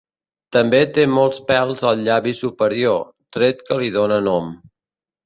També té molts pèls al llavi superior, tret que li dóna nom.